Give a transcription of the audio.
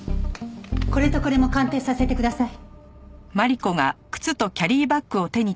これとこれも鑑定させてください。